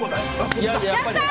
やったー！